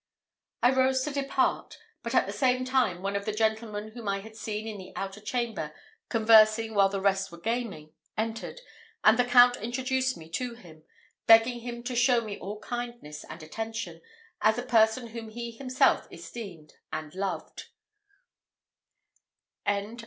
I rose to depart, but at the same time one of the gentlemen whom I had seen in the outer chamber, conversing while the rest were gaming, entered, and the Count introduced me to him, begging him to show me all kindness and attention, as a person whom he himself esteemed and loved.